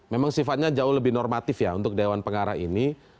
memang sifatnya jauh lebih normatif ya untuk dewan pengarah ini